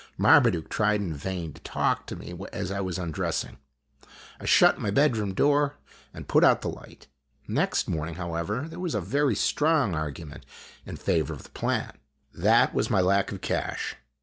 Marmaduke tried in vain to talk to me as I was undressing. I shut my bedroom door and put out the liorht. o Next morning, however, there was a very strong argument in favor of the plan. That was my lack of cash.